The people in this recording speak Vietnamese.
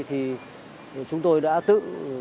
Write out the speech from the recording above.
thì chúng tôi đã tự